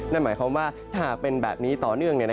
นั่นหมายความว่าถ้าหากเป็นแบบนี้ต่อเนื่อง